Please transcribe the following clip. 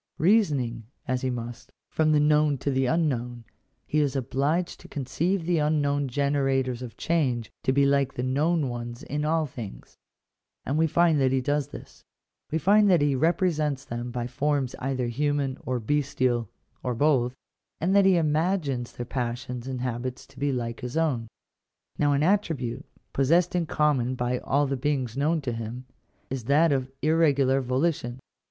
Seasoning, as he must, from the known to the unknown, he is obliged to conceive the unknown generators of change to be like the known ones in all things : and we find that he does this ; we find that he represents them by forms either human, or bestial, or both, and that he imagines their passions and habits to be like his own. Now an attribute, possessed in common by all the beings known to him, is that of irregular volition.